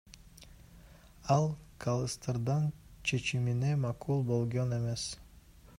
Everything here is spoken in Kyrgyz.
Ал калыстардын чечимине макул болгон эмес.